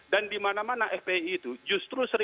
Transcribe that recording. dan dimana mana fpi itu justru